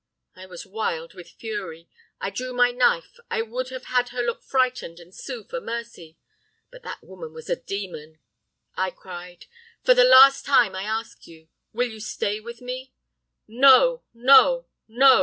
"I was wild with fury. I drew my knife, I would have had her look frightened, and sue for mercy but that woman was a demon. "I cried, 'For the last time I ask you. Will you stay with me?' "'No! no! no!